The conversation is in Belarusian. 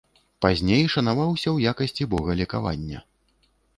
Пазней шанаваўся ў якасці бога лекавання.